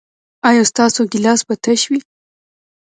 ایا ستاسو ګیلاس به تش وي؟